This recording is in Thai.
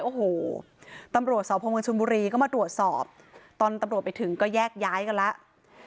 โอ้โหตำรวจสพเมืองชนบุรีก็มาตรวจสอบตอนตำรวจไปถึงก็แยกย้ายกันแล้ว